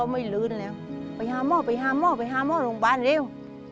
ไปหาหมอไปหาหมอไปหาหมอโรงพยาบาลเร็ว